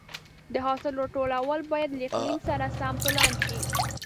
د حاصل راټولول باید له اقلیم سره سم پلان شي.